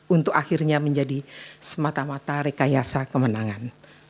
untuk akhirnya menjadi semata mata rekayasa kemenangan